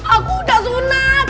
aku udah sunat